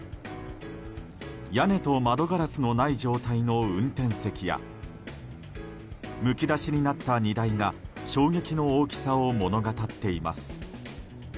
屋根と窓ガラスのない状態の運転席やむき出しになった荷台が衝撃の大きさを物語っています。